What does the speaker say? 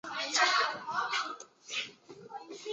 乾隆十年三月卒。